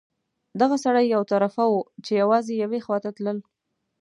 دغه سړک یو طرفه وو، چې یوازې یوې خوا ته تلل.